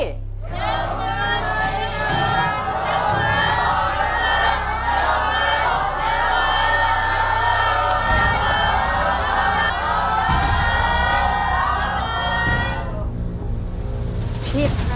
อย่างหมดอย่างหมดอย่างหมดอย่างหมดอย่างหมดอย่างหมด